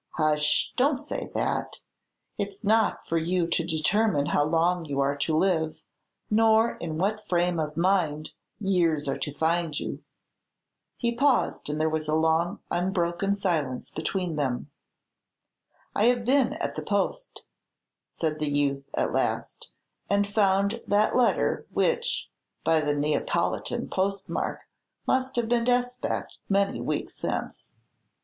"Hush! don't say that. It's not for you to determine how long you are to live, nor in what frame of mind years are to find you." He paused, and there was a long unbroken silence between them. "I have been at the post," said the youth, at last, "and found that letter, which, by the Neapolitan postmark, must have been despatched many weeks since."